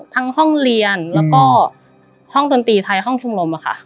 ห้องเรียนแล้วก็ห้องดนตรีไทยห้องชุมลมค่ะ